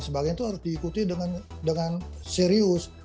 sebagainya itu harus diikuti dengan serius